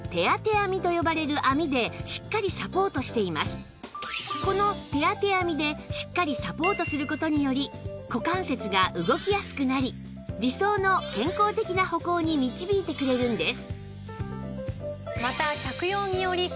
そこでこのてあて編みでしっかりサポートする事により股関節が動きやすくなり理想の健康的な歩行に導いてくれるんです